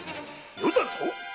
「余」だと？